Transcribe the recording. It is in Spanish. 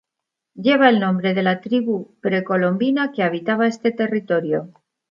Lleva el nombre de la tribu precolombina que habitaba este territorio.